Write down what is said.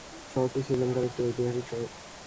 শহরটি শ্রীলঙ্কার একটি ঐতিহাসিক শহর।